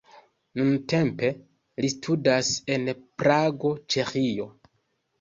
Nuntempe li studas en Prago, Ĉeĥio.